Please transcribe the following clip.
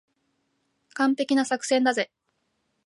完璧な作戦だぜ。